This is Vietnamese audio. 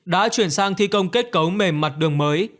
đã chuyển sang thi công kết cấu mề mặt đường mới